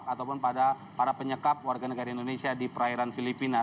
pemerintah indonesia masih menanggung penyekap warga negara indonesia di perairan filipina